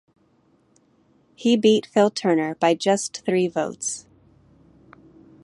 He beat Phil Turner by just three votes.